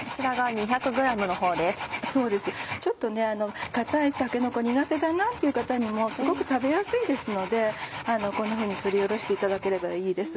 ちょっと硬いたけのこ苦手だなという方にもすごく食べやすいですのでこんなふうにすりおろしていただければいいです。